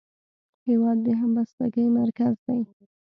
هېواد د همبستګۍ مرکز دی.